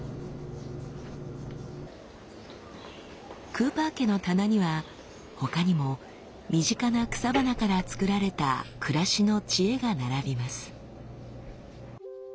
クーパー家の棚にはほかにも身近な草花から作られた暮らしの知恵が並びます。